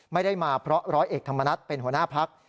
ไม่ได้มาเพราะร้อยเอกธรรมนัฏเป็นหัวหน้าพัก